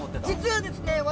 実はですね